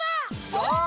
お！